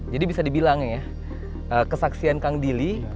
jadi bisa dibilang ya kesaksian kang dili